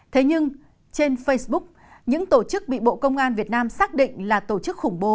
thế nhưng trên facebook những tổ chức bị bộ công an việt nam xác định là tổ chức khủng bố